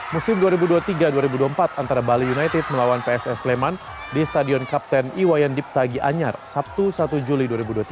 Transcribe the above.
musim dua ribu dua puluh tiga dua ribu dua puluh empat antara bali united melawan pss leman di stadion kapten iwayan dipta gianyar sabtu satu juli dua ribu dua puluh tiga